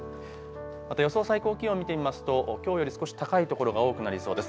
また予想最高気温見てみますときょうより少し高い所が多くなりそうです。